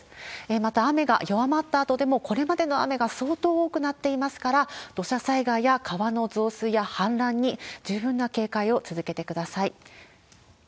また、雨が弱まったあとでも、これまでの雨が相当多くなっていますから、土砂災害や川の増水や氾濫に十分な警戒を続けてください。